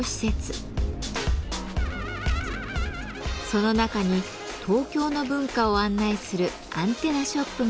その中に東京の文化を案内するアンテナショップがあります。